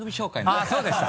あっそうでした。